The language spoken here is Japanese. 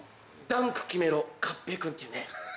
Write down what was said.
『ダンク決めろかっぺい君』っていうね。